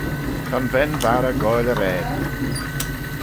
Ta'n ven-varrey goaill arrane.